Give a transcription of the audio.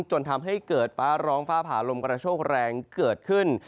จนทำให้เกิดฟ้าร้องฟ้าผ่าลมกระโชคแรงเกิดขึ้น